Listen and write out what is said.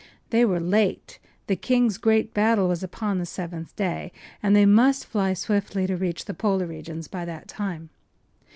They were late. The king’s great battle was upon the seventh day, and they must fly swiftly to reach the Polar regions by that time.